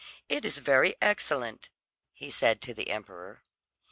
"It is very excellent," he said to the emperor.